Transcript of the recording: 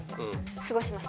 過ごしました。